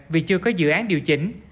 vì chưa có dự án điều chỉnh